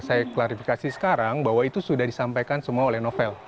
saya klarifikasi sekarang bahwa itu sudah disampaikan semua oleh novel